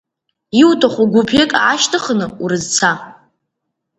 Иуҭаху гәыԥҩык аашьҭыхны урызца.